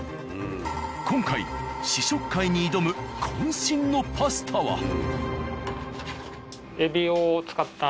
今回試食会に挑む渾身のパスタは。